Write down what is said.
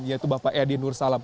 yaitu bapak edi nursalam